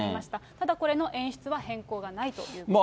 ただこれの演出は変更がないということです。